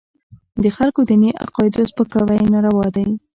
د خلکو د دیني عقایدو سپکاوي ناروا دی.